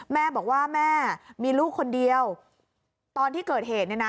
แม่บอกว่าแม่มีลูกคนเดียวตอนที่เกิดเหตุเนี่ยนะ